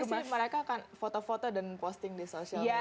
yang penting sih mereka akan foto foto dan posting di sosial media